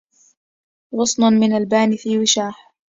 غصن من البان في وشاح